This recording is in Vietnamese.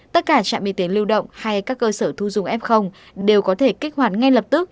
tất cả trạm y tế lưu động hay các cơ sở thu dùng f đều có thể kích hoạt ngay lập tức